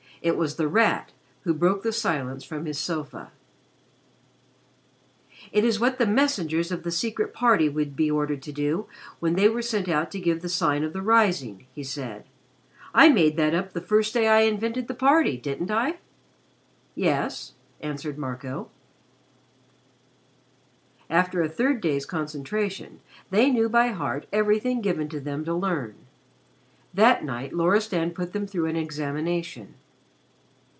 It was The Rat who broke the silence from his sofa. "It is what the messengers of the Secret Party would be ordered to do when they were sent out to give the Sign for the Rising," he said. "I made that up the first day I invented the party, didn't I?" "Yes," answered Marco. After a third day's concentration they knew by heart everything given to them to learn. That night Loristan put them through an examination.